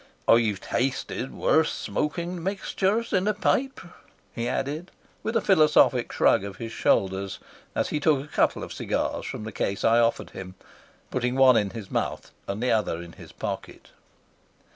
"I've tasted worse smoking mixtures in a pipe," he added, with a philosophic shrug of his shoulders, as he took a couple of cigars from the case I offered him, putting one in his mouth and the other in his pocket.